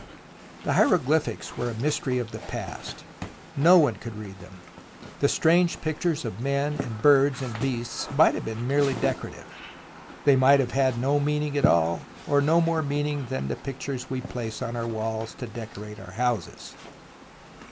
The hieroglyphics were a mystery of the past. No one could read them. The strange pictures of men and birds and beasts might have been merely decorative. They might have had no meaning at all, or no more meaning than the pictures we place on our waUs to decorate our houses.